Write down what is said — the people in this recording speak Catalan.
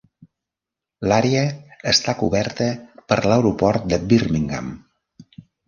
L'àrea està coberta per l'Aeroport de Birmingham.